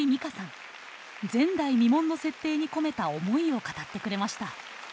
前代未聞の設定に込めた思いを語ってくれました。